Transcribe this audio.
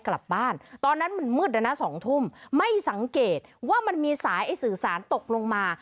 กลับบ้านตอนนั้นมันมืดแล้วนะ๒ทุ่มไม่สังเกตว่ามันมีสายไอ้สื่อสารตกลงมา